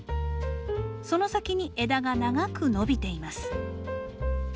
その先に枝が長く伸びています。